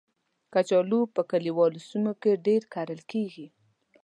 کچالو په کلیوالو سیمو کې ډېر کرل کېږي